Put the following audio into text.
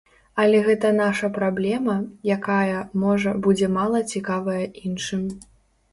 Але гэта наша праблема, якая, можа, будзе мала цікавая іншым.